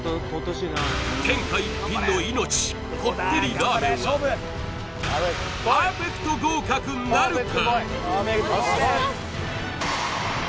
天下一品の命こってりラーメンはパーフェクト合格なるか？